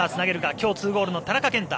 今日２ゴールの田中健太。